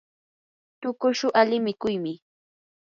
tuqushu ali mikuymi.